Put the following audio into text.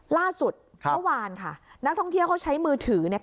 ล่าสุดเมื่อวานค่ะนักท่องเที่ยวเขาใช้มือถือเนี่ย